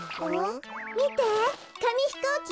みてかみひこうきよ。